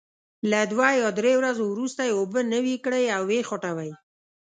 له دوه یا درې ورځو وروسته یې اوبه نوي کړئ او وې خوټوئ.